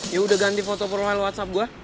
ya udah ganti foto profile whatsapp gue